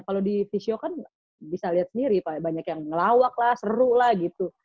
kalo di fisio kan bisa liat sendiri banyak yang ngelawak lah seru lah gitu